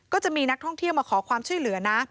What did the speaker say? ก็จะมีนักท่องเที่ยวมาขอความช่วยเหลือนะ